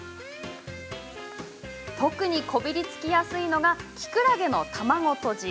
特に、こびりつきやすいのがきくらげの卵とじ。